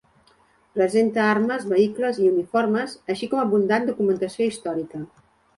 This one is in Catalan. Presenta armes, vehicles i uniformes, així com abundant documentació històrica.